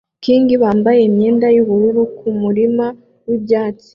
kingbambaye imyenda yubururu kumurima wibyatsi